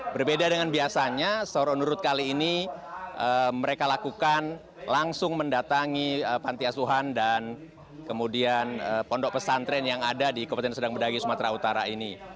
berbeda dengan biasanya sahur on the road kali ini mereka lakukan langsung mendatangi pantiasuhan dan kemudian pondok pasantren yang ada di kabupaten sedang beragai sumatera utara ini